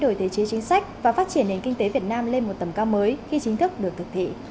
evfta sẽ làm thay đổi thể chế chính sách và phát triển nền kinh tế việt nam lên một tầm cao mới khi chính thức được thực thị